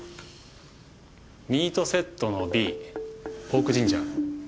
ミートセットのＢポークジンジャー。